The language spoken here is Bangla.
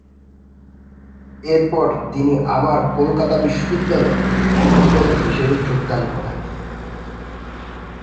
এর পর তিনি আবার কলকাতা বিশ্ববিদ্যালয়ে অনুষদ হিসাবে যোগদান করেন।